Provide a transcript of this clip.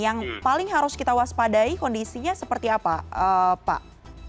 yang paling harus kita waspadai kondisinya seperti apa pak